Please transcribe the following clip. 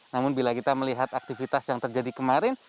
namun bila kita melihat aktivitas yang terjadi kemarin